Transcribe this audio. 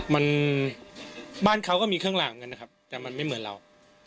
มันบ้านเขาก็มีเครื่องหลามกันนะครับแต่มันไม่เหมือนเรา